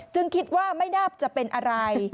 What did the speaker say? คิดว่าไม่น่าจะเป็นอะไร